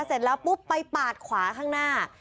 เสร็จแล้วปุ๊บไปปาดขวาข้างหน้า